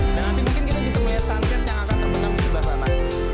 nah nanti mungkin kita bisa melihat sunset yang akan terbenam juga sana